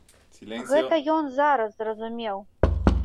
Гэта ён зараз зразумеў.